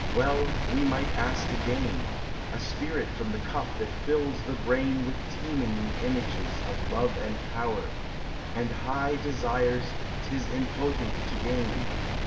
Well might we ask again— A spirit from the cup that fills the brain With teeming images of love and power, And high desires 'tis impotent to gain?